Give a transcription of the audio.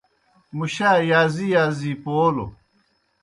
مُشا یازی یازی پولوْ۔